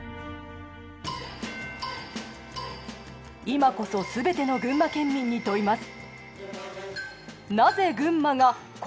いまこそ全ての群馬県民に問います。